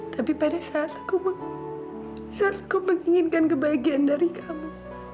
tapi pada saat aku menginginkan kebahagiaan dari kamu